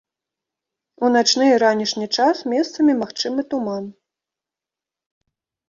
У начны і ранішні час месцамі магчымы туман.